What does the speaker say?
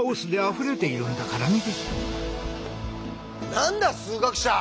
何だ数学者！